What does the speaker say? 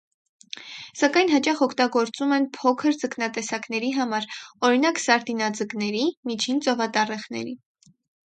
Սակայն հաճախ օգտագտագործում են փոքր ձկնատեսակների համար, օրինակ սարդինաձկների, միջին ծովատառեխների։